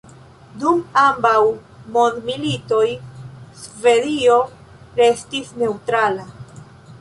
Dum ambaŭ mondmilitoj Svedio restis neŭtrala.